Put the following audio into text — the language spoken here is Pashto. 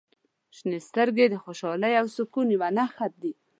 • شنې سترګې د خوشحالۍ او سکون یوه نښه دي.